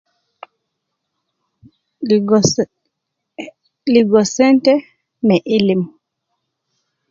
Ligo se eh ligo sente me ilim